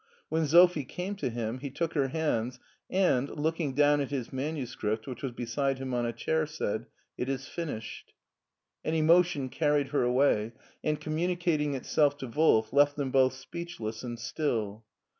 When Sophie came to him he took her hands, and, looking down at his manuscript, which was beside him on a chair, said, " It is finished." An emotion carried her away, and, communicating itself to Wolf, left them both speechless and still.